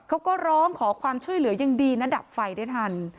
เขาก็ร้องขอความช่วยเหลือยังดีนะดับไฟได้ทัน